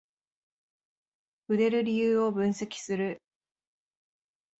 売れる理由を分析する